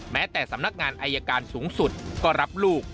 แม้แต่สำนักงานอายการสูงสุดก็รับลูก